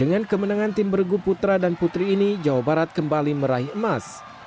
dengan kemenangan tim bergu putra dan putri ini jawa barat kembali meraih emas